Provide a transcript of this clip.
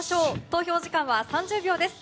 投票時間は３０秒です。